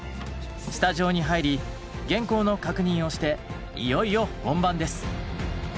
スタジオに入り原稿の確認をしていよいよ本番です。